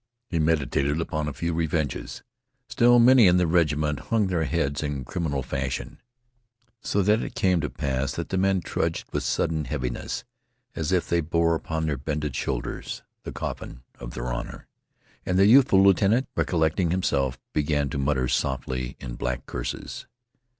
He meditated upon a few revenges. Still, many in the regiment hung their heads in criminal fashion, so that it came to pass that the men trudged with sudden heaviness, as if they bore upon their bended shoulders the coffin of their honor. And the youthful lieutenant, recollecting himself, began to mutter softly in black curses.